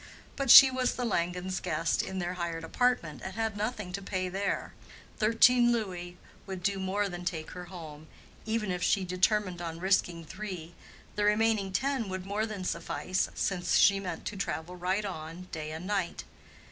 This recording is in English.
But she was the Langens' guest in their hired apartment, and had nothing to pay there: thirteen louis would do more than take her home; even if she determined on risking three, the remaining ten would more than suffice, since she meant to travel right on, day and night.